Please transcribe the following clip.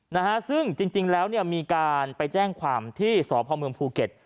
นะฮะซึ่งจริงจริงแล้วเนี่ยมีการไปแจ้งความที่สพเมืองภูเก็ต